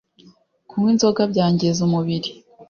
kunywa inzoga byangiza umubiri